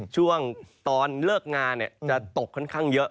ช่วงตอนเลิกงานจะตกค่อนข้างเยอะ